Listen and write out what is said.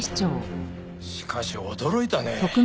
しかし驚いたね。